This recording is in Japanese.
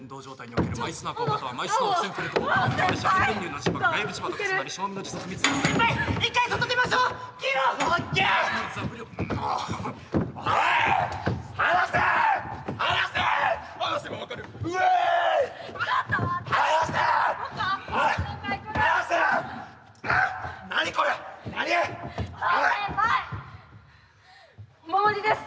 お守りです。